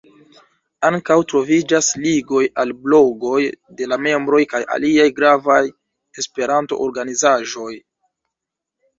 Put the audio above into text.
Ankaŭ troviĝas ligoj al blogoj de la membroj kaj aliaj gravaj esperanto-organizaĵoj.